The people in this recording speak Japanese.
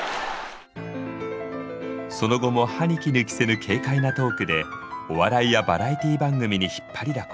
その後も歯にきぬ着せぬ軽快なトークでお笑いやバラエティー番組に引っ張りだこ。